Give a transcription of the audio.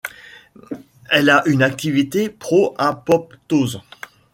Elle a une activité pro-apoptose.